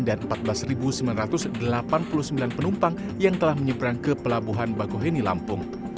dan empat belas sembilan ratus delapan puluh sembilan penumpang yang telah menyeberang ke pelabuhan bagoheni lampung